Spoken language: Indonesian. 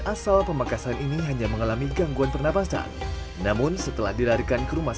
asal pamekasan ini hanya mengalami gangguan pernapasan namun setelah dilarikan ke rumah